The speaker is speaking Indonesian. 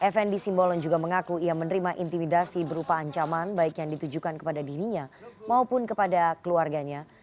fnd simbolon juga mengaku ia menerima intimidasi berupa ancaman baik yang ditujukan kepada dirinya maupun kepada keluarganya